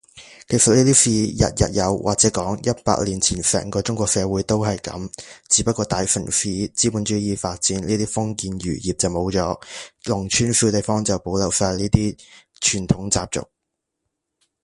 其實呢啲事日日有，或者講，一百年前成個中國社會都係噉，只不過大城市資本主義發展呢啲封建餘孽冇咗，農村小地方就保留晒呢啲傳統習俗